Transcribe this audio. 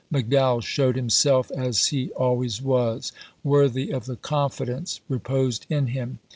McDowell showed himself, as he always was, worthy of the confidence reposed in him.